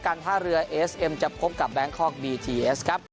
การท่าเรือเอสเอ็มจับครบกับแบลงคอร์กบีทีเอสครับ